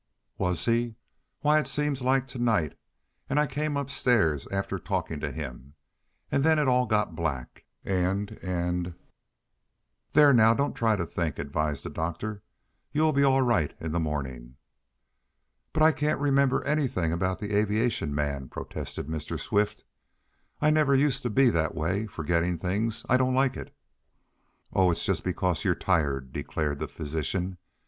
"Was he? Why, it seems like to night. And I came upstairs after talking to him, and then it all got black, and and " "There, now; don't try to think," advised the doctor. "You'll be all right in the morning." "But I can't remember anything about that aviation man," protested Mr. Swift. "I never used to be that way forgetting things. I don't like it!" "Oh, it's just because you're tired," declared the physician.